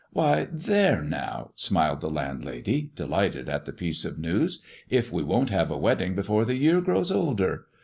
" "Why, there now," smiled the landlady, delighted at the piece of news, " if we won't have a wedding before the year grows older!